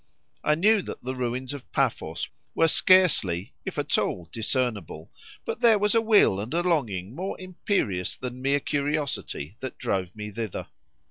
I knew that the ruins of Paphos were scarcely, if at all, discernible, but there was a will and a longing more imperious than mere curiosity that drove me thither.